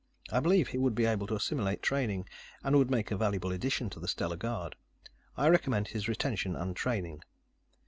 I believe he would be able to assimilate training, and would make a valuable addition to the Stellar Guard. I recommend his retention and training.